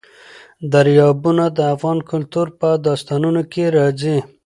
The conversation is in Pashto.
دریابونه د افغان کلتور په داستانونو کې راځي.